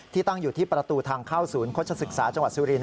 ที่ตั้งอยู่ที่ประตูทางเข้าศูนย์โคชศักดิ์ศึกษาจังหวัดซุรี